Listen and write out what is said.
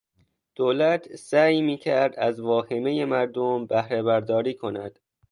دولت سعی میکرد از واهمهی مردم بهرهبرداری کند.